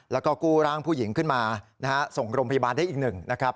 แล้วก็กู้ร่างผู้หญิงขึ้นมานะฮะส่งโรงพยาบาลได้อีกหนึ่งนะครับ